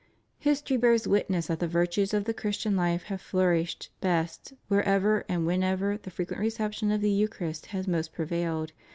^ History bears witness that the virtues of the Christian life have flourished best wherever and whenever the fre quent reception of the Eucharist has most prevailed.